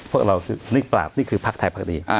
พวกเรานิกปราบนี่คือพรรคไทยพรรคดี